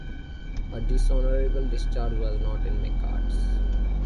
A dishonorable discharge was not in my cards.